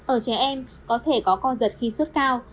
ở trẻ em có thể có co giật khi suốt cao